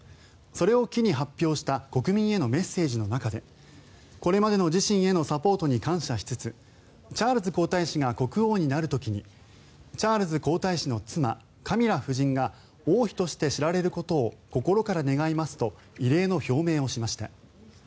それを機に発表した国民へのメッセージの中でこれまでの自身へのサポートに感謝しつつチャールズ皇太子が国王になる時にチャールズ皇太子の妻カミラ夫人が王妃として知られることを心から願いますと異例の表明をしました。